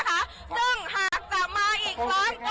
ส่งการปีหน้าเจอกันค่ะพี่ชัยขอตัวไปเล่นก่อนนะคะ